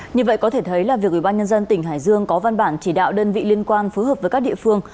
như vậy có thể thấy là việc ủy ban nhân dân tỉnh hải dương có văn bản chỉ đạo đơn vị liên quan phối hợp với các địa phương